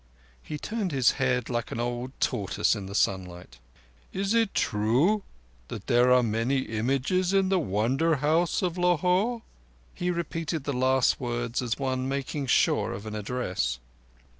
He turned his head like an old tortoise in the sunlight. "Is it true that there are many images in the Wonder House of Lahore?" He repeated the last words as one making sure of an address.